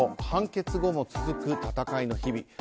判決後も続く闘いの日々。